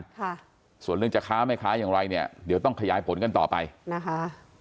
ค่ะส่วนเรื่องจะค้าแม่ค้าอย่างไรเนี่ยเดี๋ยวต้องขยายผลกันต่อไปนะคะ